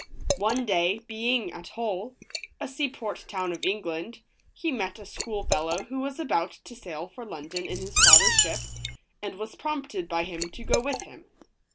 One day, being at Hull, a seaport town of England, he met a school fellow who was about to sail for London in his father's ship, and was prompted by him to go with him.